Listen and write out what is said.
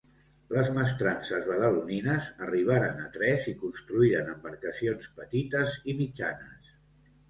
Les mestrances badalonines arribaren a tres i construïren embarcacions petites i mitjanes.